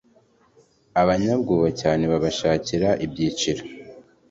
Abanyabwoba cyane babashakira ibyicaro